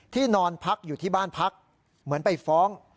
นอนพักอยู่ที่บ้านพักเหมือนไปฟ้อง